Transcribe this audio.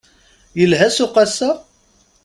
Yelha ssuq ass-a?